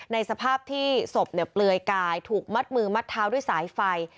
สภาพที่ศพเปลือยกายถูกมัดมือมัดเท้าด้วยสายไฟ